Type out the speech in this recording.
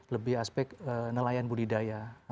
lebih aspek nelayan budidaya